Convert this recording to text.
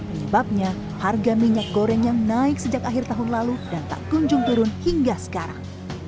penyebabnya harga minyak goreng yang naik sejak akhir tahun lalu dan tak kunjung turun hingga sekarang